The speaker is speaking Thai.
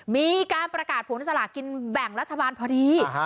มีการประกาศผลสลากินแบ่งรัฐบาลพอดี